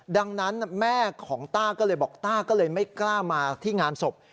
ดังนั้นแม่ของต้าก็เลยบอกต้าก็เลยไม่กล้ามาที่งานศพ